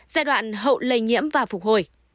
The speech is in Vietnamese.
giai đoạn hậu lây nhiễm và phục hồi